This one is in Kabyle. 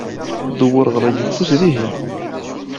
Dewwer ɣer yeffus dihin.